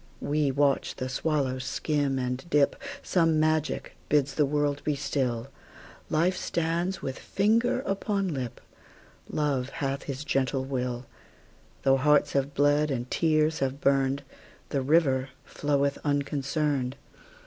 We watch the swallow skim and dip; Some magic bids the world be still; Life stands with finger upon lip; Love hath his gentle will; Though hearts have bled, and tears have burned, The river floweth unconcerned.